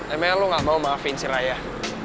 emang lo gak mau maafin si rakyat